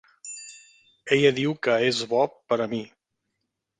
Ella diu que és bo per a mi.